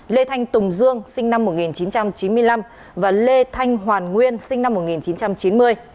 lê thanh tùng dương sinh năm một nghìn chín trăm chín mươi năm và lê thanh hoàn nguyên sinh năm một nghìn chín trăm chín mươi